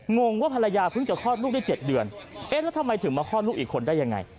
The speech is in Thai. งงว่าภรรยาเพิ่งจะข้อดลูกได้๗เดือนเราทำยัยถึงมาข้อดลูกให้ชนอีกคนได้ยังไง